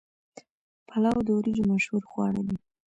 پلاو د وریجو مشهور خواړه دي.